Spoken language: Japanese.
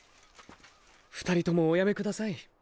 ２人ともおやめください。